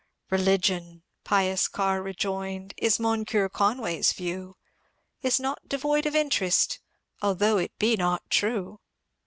Religion/' pious Carr rejoined, In Moncnre Conway's view Is not devoid of interest, Although it be not true.